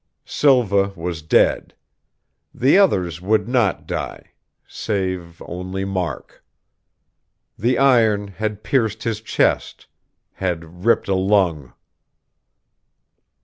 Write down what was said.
Silva was dead. The others would not die save only Mark. The iron had pierced his chest, had ripped a lung....